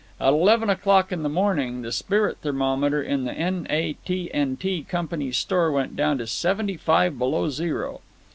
At eleven o'clock in the morning the spirit thermometer at the N. A. T. & T. Company's store went down to seventy five below zero.